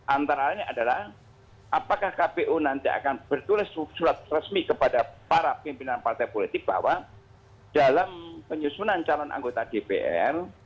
antara lain adalah apakah kpu nanti akan bertulis surat resmi kepada para pimpinan partai politik bahwa dalam penyusunan calon anggota dpr